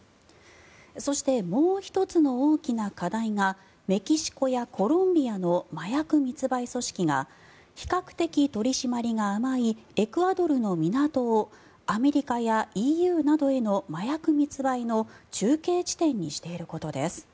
そしてもう１つの大きな課題がメキシコやコロンビアの麻薬密売組織が比較的取り締まりが甘いエクアドルの港をアメリカやＥＵなどへの麻薬密売の中継地点にしていることです。